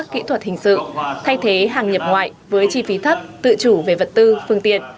kỹ thuật hình sự thay thế hàng nhập ngoại với chi phí thấp tự chủ về vật tư phương tiện